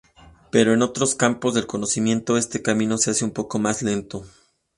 Pero en otros campos del conocimiento, este camino se hace un poco más lento.